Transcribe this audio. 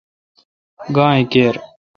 گاں کیر۔